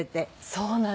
そうなんですよ。